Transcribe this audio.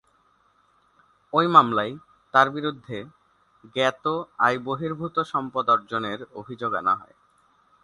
ওই মামলায় তাঁর বিরুদ্ধে জ্ঞাত আয়বহির্ভূত সম্পদ অর্জনের অভিযোগ আনা হয়।